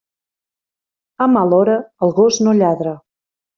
A mala hora, el gos no lladra.